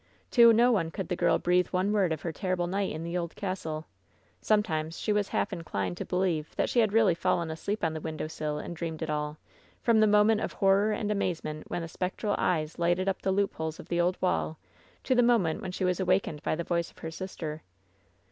To no one could the girl breathe one word of her ter rible night in the old castle. Sometimes she was half inclined to believe that she had really fallen asleep on 898 LOVE'S BITTEREST CUP the window sill and dreamed it all — ^from the moment of horror and amazement when the spectral eyes lighted up the loopholes of the old wall, to the moment when she was awakened by the voice of her sister.